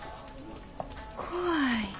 怖い。